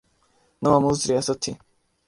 نو آموز ریاست تھی۔